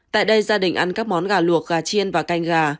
tại đây gia đình ăn các món gà luộc gà chiên và canh gà